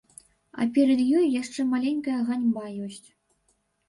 А перад ёй яшчэ маленькая ганьба ёсць.